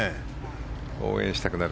応援したくなる。